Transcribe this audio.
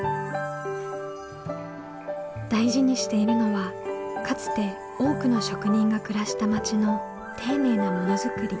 大事にしているのはかつて多くの職人が暮らした町の丁寧なものづくり。